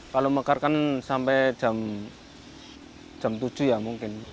kalau mekar kan sampai jam tujuh ya mungkin